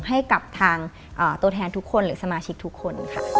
ให้กับทางตัวแทนทุกคนหรือสมาชิกทุกคนค่ะ